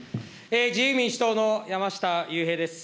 自由民主党の山下雄平です。